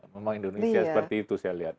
memang indonesia seperti itu saya lihat